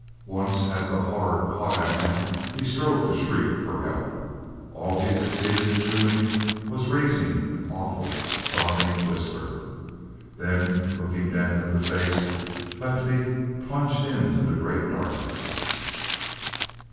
Once, as the horror caught at him, he strove to shriek for help. All he succeeded in doing was in raising an awful, sobbing whisper. Then, looking death in the face, Lefty plunged into the great darkness.